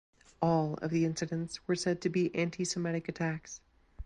All of the incidents were said to be antisemitic attacks.